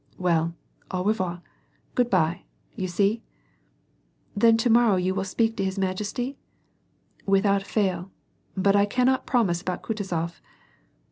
''tYell, au revair, good by. You see ?"" Then to morrow you will speak to his majesty ?"" Without fail, but I cannot promise about Kutuzof."